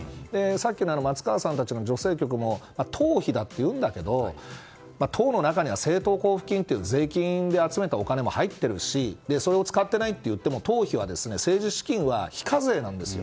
さっきの松川さんたち女性局も党費だというんだけど党の中には政党交付金という税金で集めたお金も入っているしそれを使っていないといっても党費は、政治資金は非課税なんですよ。